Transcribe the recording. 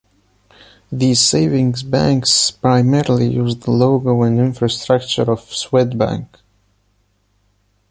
These savings banks primarily use the logo and infrastructure of Swedbank.